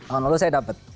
tahun lalu saya dapet